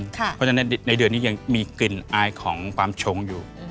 เพราะฉะนั้นในเดือนนี้ยังมีกลิ่นอายของความชงอยู่